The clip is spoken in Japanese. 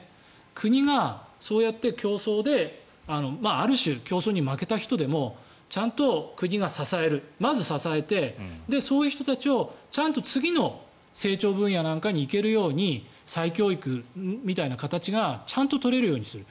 国がそうやって競争である種、競争に負けた人でもちゃんと国が支えるまず支えてそういう人たちをちゃんと次の成長分野なんかに行けるように再教育みたいな形がちゃんと取れるようにする。